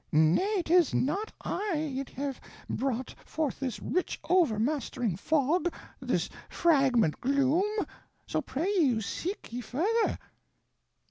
Nay, 'tis not I yt have broughte forth this rich o'ermastering fog, this fragrant gloom, so pray you seeke ye further.